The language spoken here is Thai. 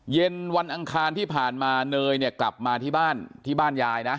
เย็นวันอังคารที่ผ่านมาเนยเนี่ยกลับมาที่บ้านที่บ้านยายนะ